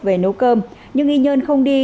về nấu cơm nhưng y nhân không đi